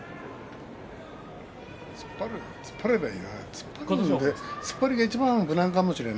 突っ張ればいいかな。